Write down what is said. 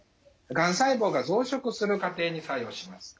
がん細胞が増殖する過程に作用します。